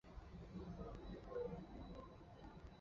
罗克镇区为美国堪萨斯州马歇尔县辖下的镇区。